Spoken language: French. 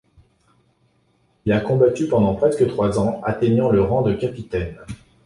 Il a combattu pendant presque trois ans atteignant le rang de capitaine.